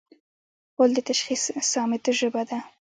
غول د تشخیص صامت ژبه ده.